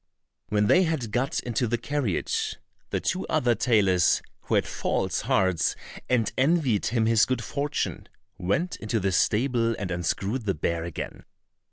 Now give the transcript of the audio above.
When they had got into the carriage, the two other tailors, who had false hearts and envied him his good fortune, went into the stable and unscrewed the bear again.